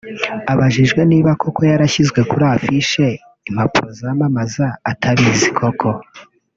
Abajijwe niba koko yarashyizwe kuri affiche(impapuro zamamaza) atabizi koko